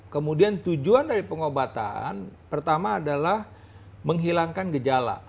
kemudian tujuan dari pengobatan pertama adalah menghilangkan gejala